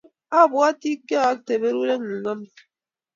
Abwati kyayokte baruengung amut